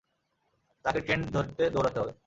তাকে ট্রেন ধরতে দৌড়াতে হবে।